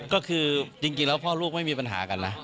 ก็คือจริงแล้วพ่อลูกไม่มีปัญหากันนะ